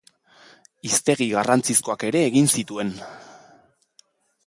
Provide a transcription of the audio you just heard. Hiztegi garrantzizkoak ere egin zituen.